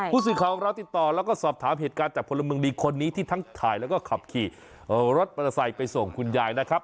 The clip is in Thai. ผู้สื่อข่าวของเราติดต่อแล้วก็สอบถามเหตุการณ์จากพลเมืองดีคนนี้ที่ทั้งถ่ายแล้วก็ขับขี่รถมอเตอร์ไซค์ไปส่งคุณยายนะครับ